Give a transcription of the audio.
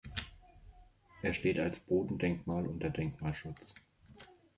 Er steht als Bodendenkmal unter Denkmalschutz.